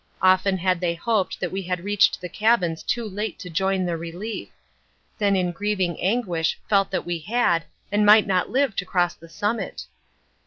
Often had they hoped that we had reached the cabins too late to join the Relief then in grieving anguish felt that we had, and might not live to cross the summit.